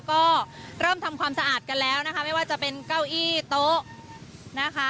ก็เริ่มทำความสะอาดกันแล้วนะคะไม่ว่าจะเป็นเก้าอี้โต๊ะนะคะ